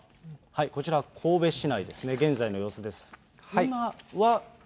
こちら神戸市内ですね、現在の様子です。